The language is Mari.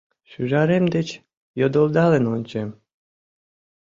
Шӱжарем деч йодылдалын ончем